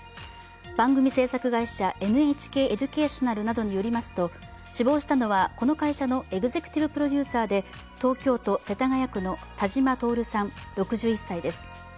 番組制作会社ＮＨＫエデュケーショナルなどによりますと、死亡したのは、この会社のエグゼクティブプロデューサーで東京都世田谷区の田島徹さん６１歳です。